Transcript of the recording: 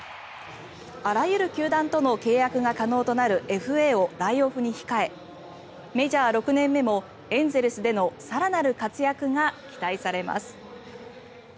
あらゆる球団との契約が可能となるＦＡを来オフに控えメジャー６年目もエンゼルスでの更なる活躍が期待されます。